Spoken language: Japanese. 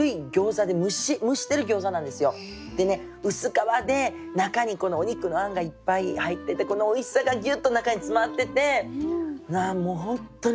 でね薄皮で中にお肉のあんがいっぱい入っててこのおいしさがギュッと中に詰まっててもう本当においしい。